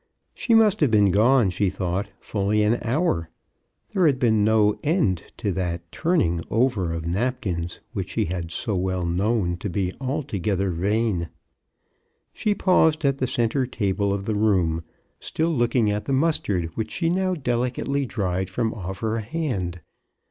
She must have been gone, she thought, fully an hour. There had been no end to that turning over of napkins which she had so well known to be altogether vain. She paused at the centre table of the room, still looking at the mustard, which she now delicately dried from off her hand.